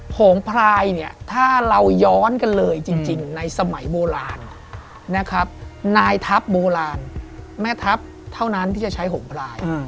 ผงพลายเนี่ยถ้าเราย้อนกันเลยจริงในสมัยโบราณนะครับนายทัพโบราณแม่ทัพเท่านั้นที่จะใช้โหงพลาย